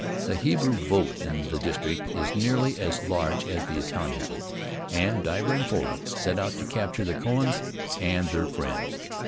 The Hebrew vote in the district is nearly as large as the Italian vote, and Divver and Foley set out to capture the Cohens and their friends.